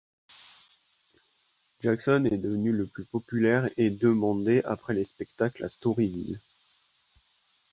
Jackson est devenu le plus populaire et demandé après les spectacles à Storyville.